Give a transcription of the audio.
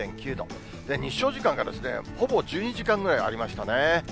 日照時間が、ほぼ１２時間ぐらいありましたね。